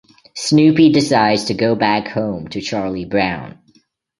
Snoopy decides to go back home to Charlie Brown.